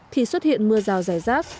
thì xuất hiện mưa rào rải rác